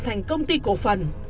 thành công ty cổ phần